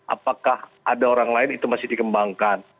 apakah ada orang lain itu masih dikembangkan